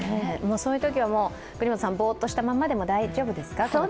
そういうときは國本さん、ボーッとしたままでも大丈夫ですか？